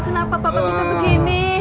kenapa papa bisa begini